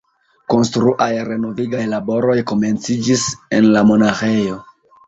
Konstruaj renovigaj laboroj komenciĝis en lamonaĥejo.